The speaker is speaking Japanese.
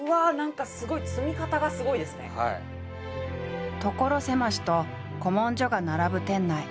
何かすごい！所狭しと古文書が並ぶ店内。